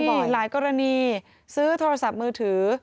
หลายกรณีซื้อโทรศัพท์มือถือ